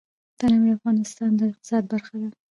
تنوع د افغانستان د اقتصاد برخه ده.